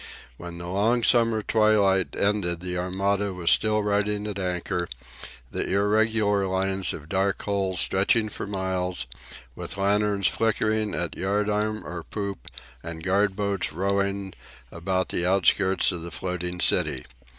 When the long summer twilight ended the Armada was still riding at anchor, the irregular lines of dark hulls stretching for miles, with lanterns flickering at yard arm or poop, and guard boats rowing about the outskirts of the floating city.